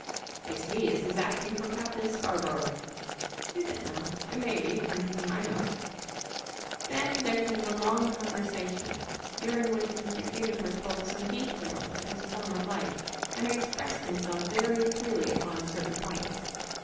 "It's he as is acting for Captain Scarborough." "Is it, now? It may be, for anything I know." Then there came a long conversation, during which Mr. Juniper told some details of his former life, and expressed himself very freely upon certain points.